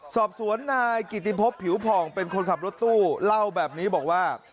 สอบสวนนายกิติพบผิวผ่องเป็นคนขับรถตู้เล่าแบบนี้บอกว่า